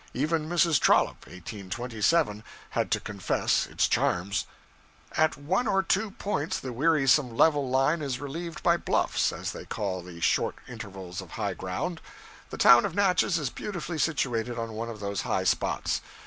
Even Mrs. Trollope (1827) had to confess its charms: 'At one or two points the wearisome level line is relieved by bluffs, as they call the short intervals of high ground. The town of Natchez is beautifully situated on one of those high spots.